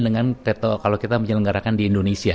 dengan kalau kita menyelenggarakan di indonesia